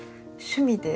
趣味で？